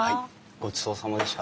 ごちそうさまでした。